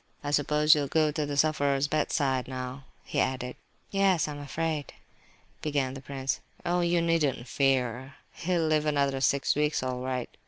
"I suppose you will go to the sufferer's bedside now?" he added. "Yes, I am afraid..." began the prince. "Oh, you needn't fear! He'll live another six weeks all right.